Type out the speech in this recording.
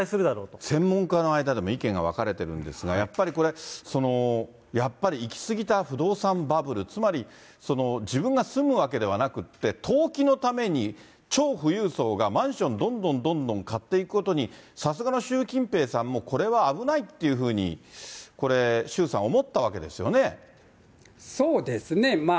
これ、専門家の間でも意見が分かれてるんですが、やっぱりこれ、やっぱり行き過ぎた不動産バブル、つまりその自分が住むわけではなくって、投機のために超富裕層がマンションどんどんどんどん買っていくことに、さすがの習近平さんもこれは危ないっていうふうにこれ、そうですね。